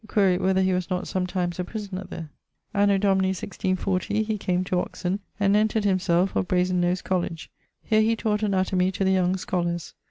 Quaere whether he was not sometimes a prisoner there? Anno Domini 164 he came to Oxon, and entred himselfe of Brasen nose college. Here he taught anatomy to the young scholars.